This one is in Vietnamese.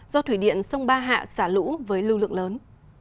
do thủy điện sông ba hạ xả lũ với lưu lượng lớn